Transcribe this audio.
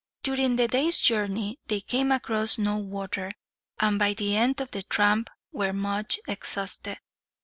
During the day's journey they came across no water, and by the end of the tramp were much exhausted.